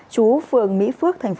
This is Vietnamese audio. chú phường mỹ phước tp long xuyên